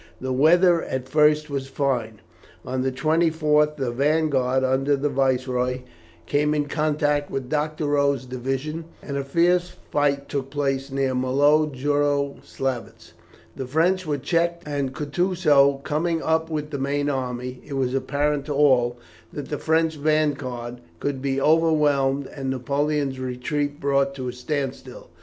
The weather at first was fine. On the 24th the vanguard, under the Viceroy, came in contact with Doctorow's division, and a fierce fight took place near Malo Jaroslavets. The French were checked, and Kutusow, coming up with the main army, it was apparent to all, that the French vanguard could be overwhelmed and Napoleon's retreat brought to a standstill.